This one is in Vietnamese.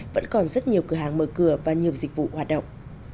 vẫn còn rất nhiều cửa hàng mở cửa và nhiều dịch vụ hoạt động